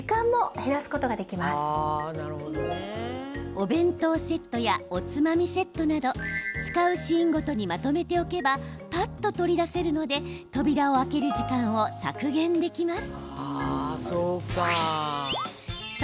お弁当セットやおつまみセットなど使うシーンごとにまとめておけばぱっと取り出せるので扉を開ける時間を削減できます。